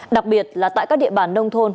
đặc biệt là tại các địa bàn nông thôn